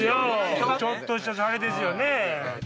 ちょっとしたシャレですよね。